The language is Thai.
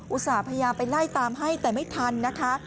ส่าห์พยายามไปไล่ตามให้แต่ไม่ทันนะคะ